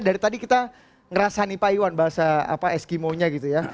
dari tadi kita ngerasain pak iwan bahasa eskimo nya gitu ya